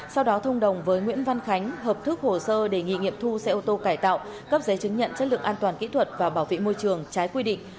sau đó thông đồng với nguyễn văn khánh hợp thức hồ sơ đề nghị nghiệm thu xe ô tô cải tạo cấp giấy chứng nhận chất lượng an toàn kỹ thuật và bảo vệ môi trường trái quy định